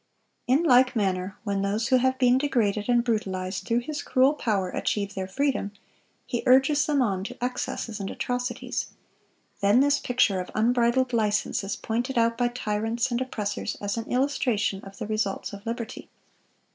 In like manner, when those who have been degraded and brutalized through his cruel power achieve their freedom, he urges them on to excesses and atrocities. Then this picture of unbridled license is pointed out by tyrants and oppressors as an illustration of the results of liberty.